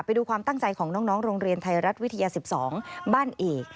ไปดูความตั้งใจของน้องโรงเรียนไทยรัฐวิทยา๑๒บ้านเอก